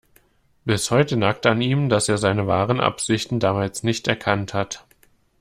Bis heute nagt an ihm, dass er seine wahren Absichten damals nicht erkannt hat.